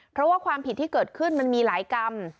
เพราะว่าความผิดที่เกิดขึ้นมันมีหลายกรรม